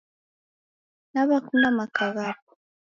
Naw'akunda maka ghapo